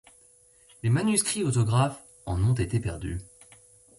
Les manuscrits autographes en ont été perdus.